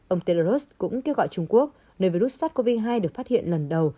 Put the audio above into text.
ông taylor lutz cũng kêu gọi trung quốc nơi virus sars cov hai được phát hiện lần đầu